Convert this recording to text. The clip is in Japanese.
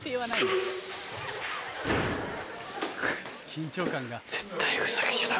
緊張感が。